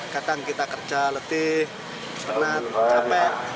kadang kita kerja letih penat capek